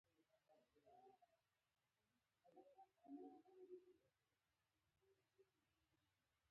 طالب وویل بیا یې را منډې کړې له پایڅې یې ونیولم.